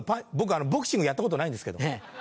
僕ボクシングやったことないんですけど。